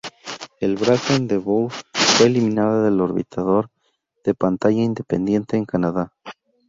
El brazo Endeavour fue eliminada del orbitador de pantalla independiente en Canadá.